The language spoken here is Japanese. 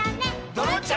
「ドロンチャ！